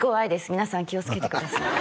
皆さん気をつけてください